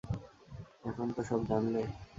এখন তো সব জানলে।